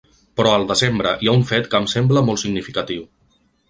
Però al desembre hi ha un fet que em sembla molt significatiu.